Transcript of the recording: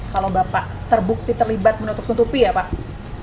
kalau bapak terbukti terlibat menutupi ya pak